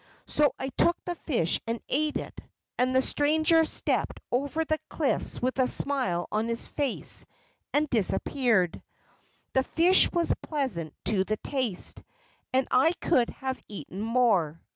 So I took the fish and ate it, and the stranger stepped over the cliffs with a smile on his face and disappeared. The fish was pleasant to the taste, and I could have eaten more.